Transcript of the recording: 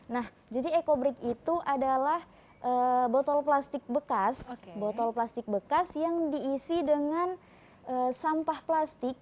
nah jadi ecobrik itu adalah botol plastik bekas botol plastik bekas yang diisi dengan sampah plastik